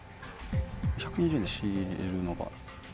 １２０円で仕入れるのが。